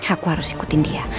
aku harus ikutin dia